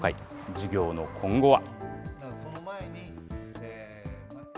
事業の今後は。